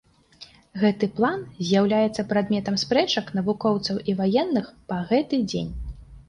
Гэты план з'яўляецца прадметам спрэчак навукоўцаў і ваенных па гэты дзень.